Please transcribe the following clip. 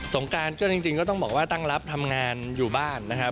งการก็จริงก็ต้องบอกว่าตั้งรับทำงานอยู่บ้านนะครับ